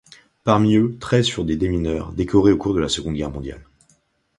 Parmi eux, treize furent des démineurs, décorés au cours de la Seconde Guerre mondiale.